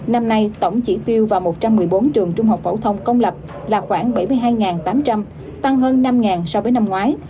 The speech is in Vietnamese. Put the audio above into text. năm nay tổng chỉ tiêu vào một trăm một mươi bốn trường trung học phổ thông công lập là khoảng bảy mươi hai tám trăm linh tăng hơn năm so với năm ngoái